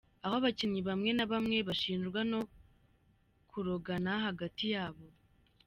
Aho abakinnyi bamwe na bamwe bashinjwa no kurogana hagati yabo.